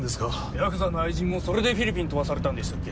ヤクザの愛人もそれでフィリピンに飛ばされたんでしたっけ。